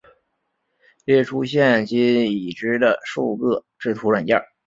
列出现今已知的数个制图软体